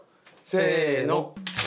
せの！